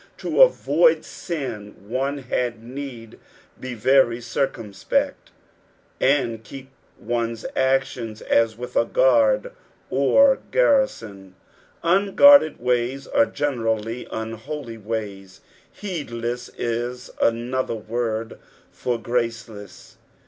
To avoid sin one had need be very circumspect, and keep one's actions as with a guard or garrison. Unguarded ways are generally unholy ones. Heedless is another word for graceless.